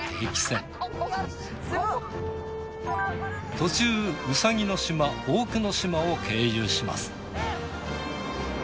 途中ウサギの島大久野島を経由します。